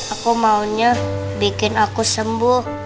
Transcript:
aku maunya bikin aku sembuh